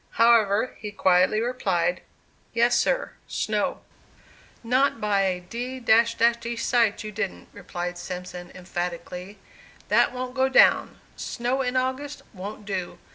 However, he quietly replied, "Yes, sir, snow." "Not by a d d sight, you didn't," replied Simpson, emphatically. "That wont go down. Snow in August wont do.